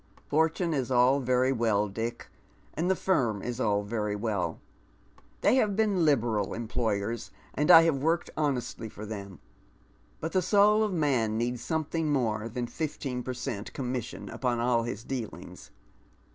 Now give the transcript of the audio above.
" Fortune is all very well, Dick — and the firm is all very well. They have been liberal employers, and I have worked honestly for them. But the soul of man needs something more thai\ fifteen per cent, commission upon all his dealings.